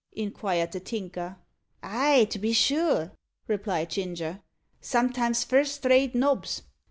inquired the Tinker. "Ay, to be sure," replied Ginger; "sometimes first rate nobs.